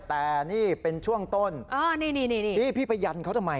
แต่นี่เป็นช่วงต้นนี่พี่ไปยันเขาทำไม